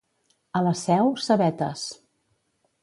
A la Seu, cebetes.